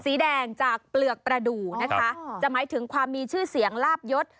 สีแดงจากเปลือกประดูกนะคะจะหมายถึงความมีชื่อเสียงลาบยศ